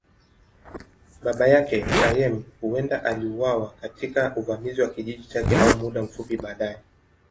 Baba yake, Ayemi, huenda aliuawa katika uvamizi wa kijiji chake au muda mfupi baadaye.